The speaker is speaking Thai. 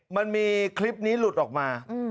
มันมีคลิปนี้หลุดออกมา